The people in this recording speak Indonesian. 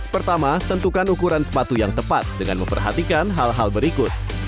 pertama tentukan ukuran sepatu yang tepat dengan memperhatikan hal hal berikut